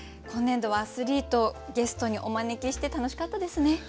今年度はアスリートをゲストにお招きして楽しかったですね。